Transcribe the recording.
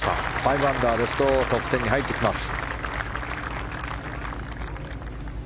５アンダーですとトップ１０に入ってきます。